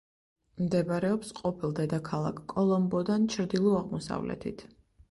მდებარეობს ყოფილ დედაქალაქ კოლომბოდან ჩრდილო-აღმოსავლეთით.